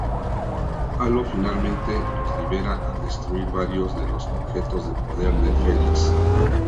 Halo finalmente los libera al destruir varios de los objetos de poder de Felix.